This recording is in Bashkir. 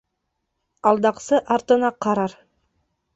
Алдаҡсы артына ҡарар.